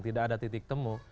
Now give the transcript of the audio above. tidak ada titik temu